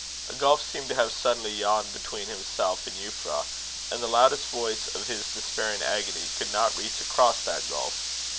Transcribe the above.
A gulf seemed to have suddenly yawned between himself and Euphra, and the loudest voice of his despairing agony could not reach across that gulf.